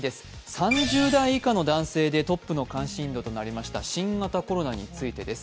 ３０代以下の男性でトップの関心度となりました、新型コロナについてです。